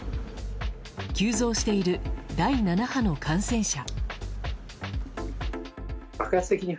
急増している第７波の感染者。